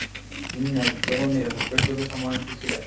তিনি ন্যায্য এবং নিরপেক্ষ হিসাবে সম্মানিত ছিলেন।